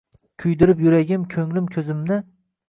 Kuydirib yuragim, ko‘nglim, ko‘zimni